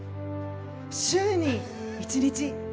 週に１日！